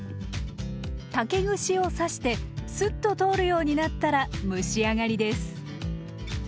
竹串を刺してスッと通るようになったら蒸し上がりです。